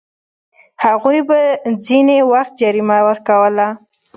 هغوی به ځینې وخت جریمه ورکوله.